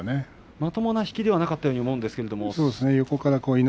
まともな引きではなかったように思いましたけれども。